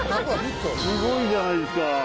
すごいじゃないですか。